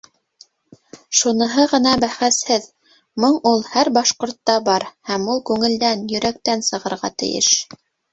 Шуныһы ғына бәхәсһеҙ, моң ул һәр башҡортта бар һәм ул күңелдән, йөрәктән сығырға тейеш.